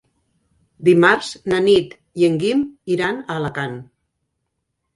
Dimarts na Nit i en Guim iran a Alacant.